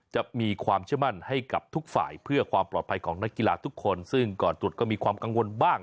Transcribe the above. จะมีความเชื่อมั่นให้กับทุกฝ่ายเพื่อความปลอดภัยของนักกีฬาทุกคนซึ่งก่อนตรวจก็มีความกังวลบ้าง